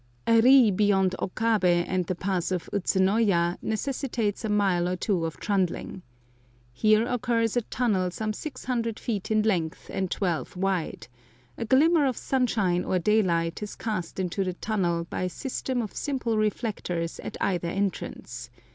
A ri beyond Okabe and the pass of Utsunoya necessitates a mile or two of trundling. Here occurs a tunnel some six hundred feet in length and twelve wide; a glimmer of sunshine or daylight is cast into the tunnel by a system of simple reflectors at either entrance.